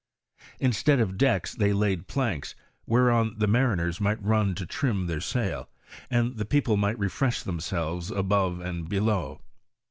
Instead of decks, they laid planks, whereon the mariners might run to trim their sailc, and the people might refresh themselves above and below."